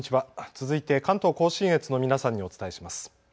続いて関東甲信越の皆さんにお伝えします。